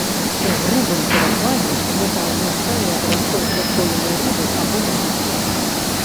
У грубым перакладзе гэта азначае расол засоленай рыбы або малюскаў.